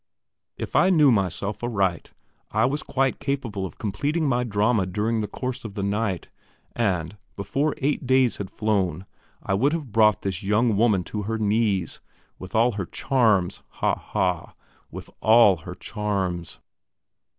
If I knew myself aright, I was quite capable of completing my drama during the course of the night, and, before eight days had flown, I would have brought this young woman to her knees with all her charms, ha, ha! with all her charms....